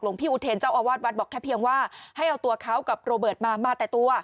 พี่อุเทรนเจ้าอาวาสวัดบอกแค่เพียงว่าให้เอาตัวเขากับโรเบิร์ตมามาแต่ตัว